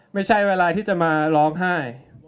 ไม่ใช่เวลาที่จะมาร้องไห้